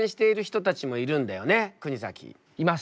います。